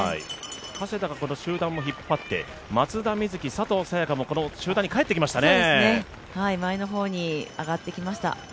加世田も集団を引っ張って、松田瑞生佐藤早也伽もこの集団にかえってきましたね。